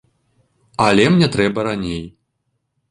Але мне трэба раней.